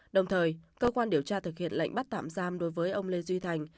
đồng thời cơ quan điều tra thực hiện lệnh bắt tạm giam đối với ông lê duy thành